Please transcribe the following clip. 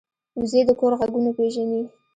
وزې د کور غږونه پېژني